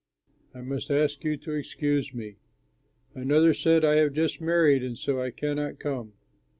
I must ask you to excuse me.' Another said, 'I have just married and so I cannot come.'